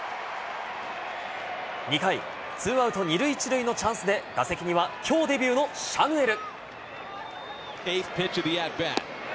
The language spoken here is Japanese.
２回、ツーアウト２塁１塁のチャンスで打席にはきょうデビューのシャヌエル。